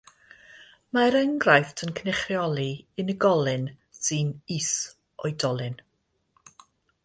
Mae'r enghraifft yn cynrychioli unigolyn sy'n is-oedolyn.